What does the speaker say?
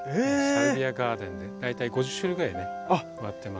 サルビアガーデンで大体５０種類ぐらい植わってます。